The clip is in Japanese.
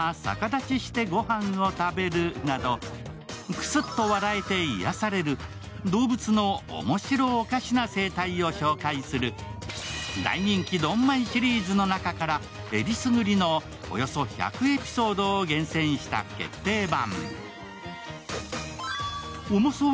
クスッと笑えて癒やされる動物のおもしろおかしな生態を紹介する大人気どんまいシリーズの中から選りすぐりの１００エピソードを厳選した決定版。